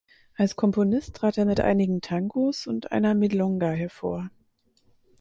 Als Komponist trat er mit einigen Tangos und einer Milonga hervor.